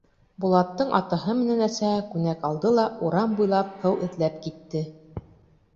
Булаттың атаһы менән әсәһе күнәк алды ла урам буйлап һыу эҙләп китте.